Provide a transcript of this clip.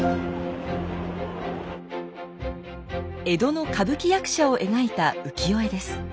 江戸の歌舞伎役者を描いた浮世絵です。